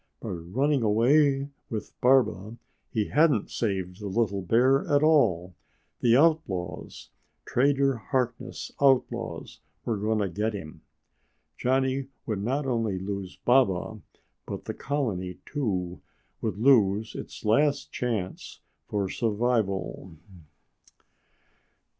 By running away with Baba he hadn't saved the little bear at all. The outlaws, Trader Harkness' outlaws, were going to get him. Johnny would not only lose Baba, but the colony, too, would lose its last chance for survival.